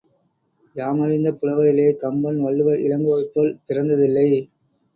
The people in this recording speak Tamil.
யாமறிந்த புலவரிலே கம்பன், வள்ளுவர், இளங்கோவைப்போல் பிறந்ததில்லை.